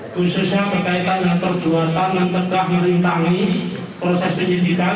khususnya berkaitan dengan perbuatan mencegah merintangi proses penyitikan